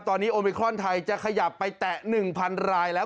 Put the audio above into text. ตอนนี้โอมิครอนไทยจะขยับไปแตะ๑๐๐รายแล้ว